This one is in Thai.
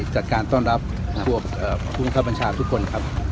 จัดการต้อนรับของคุณค่าปัญชาทุกคนครับ